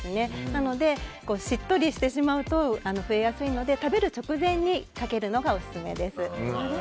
なので、しっとりしてしまうと増えやすいので食べる直前にかけるのがオススメです。